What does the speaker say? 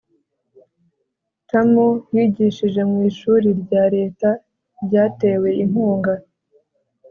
Tamm yigishije mu ishuri rya Leta ryatewe inkunga